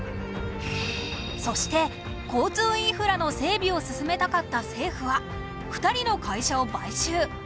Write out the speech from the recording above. そして交通インフラの整備を進めたかった政府は２人の会社を買収